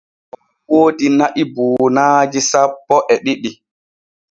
Oo woodi na’i buunaaji sappo e ɗiɗi.